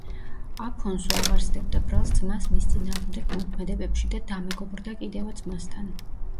აფონსუ აღარ სდებდა ბრალს ძმას მის წინააღმდეგ მოქმედებებში და დამეგობრდა კიდევაც მასთან.